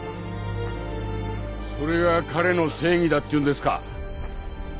それが彼の正義だって言うんですか？